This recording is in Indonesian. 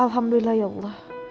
alhamdulillah ya allah